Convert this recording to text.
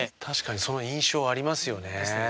確かにその印象ありますよね。